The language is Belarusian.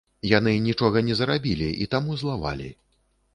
Яны нічога не зарабілі і таму злавалі.